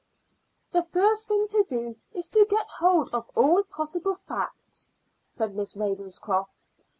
"The first thing to do is to get hold of all possible facts," said Miss Ravenscroft.